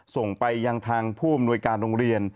ส่งไปยังทางผู้อำนวยการโรงเรียน